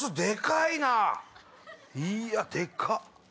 いやでかっ！